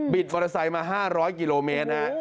บิดมอเตอร์ไซค์มา๕๐๐กิโลเมตร